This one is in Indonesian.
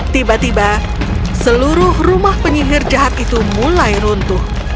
tiba tiba seluruh rumah penyihir jahat itu mulai runtuh